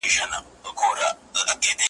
او پیسې به را رواني وي پرېماني `